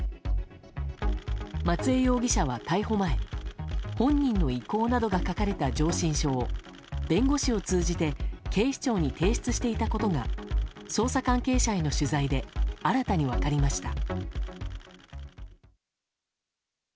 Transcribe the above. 松江容疑者は逮捕前本人の意向などが書かれた上申書を弁護士を通じて警視庁に提出していたことが捜査関係者への取材で新たに分かりました。